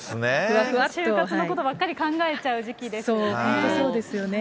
就活のことばかり考えちゃう時期ですよね。